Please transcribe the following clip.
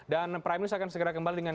dan prime news akan segera kembali dengan